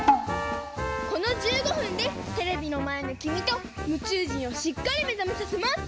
この１５ふんでテレビのまえのきみとむちゅう人をしっかりめざめさせます！